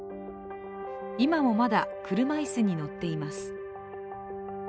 今もまだ、車椅子に乗っています。